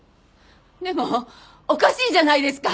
でもおかしいじゃないですか！